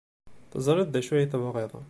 Teẓrid d acu ay tebɣid.